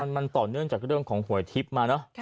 มันต่อเนื่องจากเรื่องของหวยทิพย์มาเนอะ